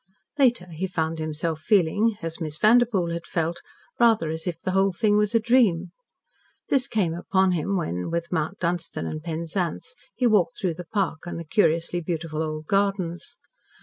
Later he found himself feeling as Miss Vanderpoel had felt rather as if the whole thing was a dream. This came upon him when, with Mount Dunstan and Penzance, he walked through the park and the curiously beautiful old gardens.